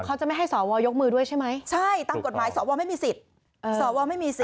เขาจะไม่ให้สวยกมือด้วยใช่ไหมใช่ตั้งกฎหมายสวไม่มีสิทธิ์